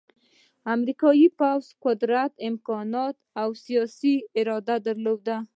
امریکا پوځي قوت، امکانات او سیاسي اراده درلوده